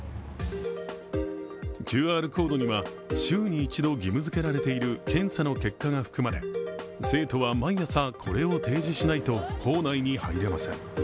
ＱＲコードには週に一度義務づけられている検査の結果が含まれ、生徒は毎朝、これを提示しないと校内に入れません。